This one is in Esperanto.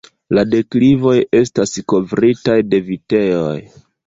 La deklivoj estas kovritaj de vitejoj.